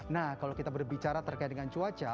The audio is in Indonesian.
nah kalau kita berbicara terkait dengan cuaca